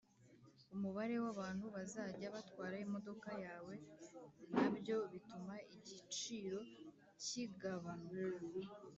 Umubare w abantu bazajya batwara imodoka yawe nabyo bituma igiciro cyigabanuka